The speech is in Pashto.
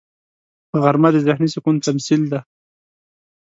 غرمه د ذهني سکون تمثیل دی